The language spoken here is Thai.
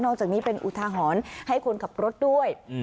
จากนี้เป็นอุทาหรณ์ให้คนขับรถด้วย